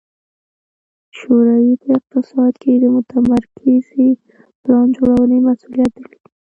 د شوروي په اقتصاد کې د متمرکزې پلان جوړونې مسوولیت درلود